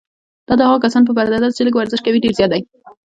دا د هغو کسانو په پرتله چې لږ ورزش کوي ډېر زیات دی.